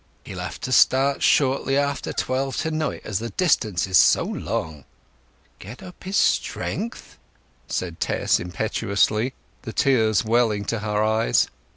He'll have to start shortly after twelve to night, as the distance is so long." "Get up his strength!" said Tess impetuously, the tears welling to her eyes.